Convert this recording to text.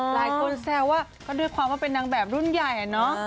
แซวว่าก็ด้วยความว่าเป็นนางแบบรุ่นใหญ่อะเนาะ